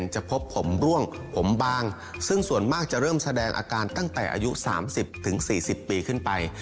จะพบผมร่วงผมบางซึ่งส่วนมากจะเริ่มแสดงอาการตั้งแต่อายุ๓๐๔๐ปีขึ้นไป